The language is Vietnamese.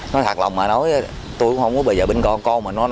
nó thật lòng mà nói tôi cũng không có bây giờ bên con con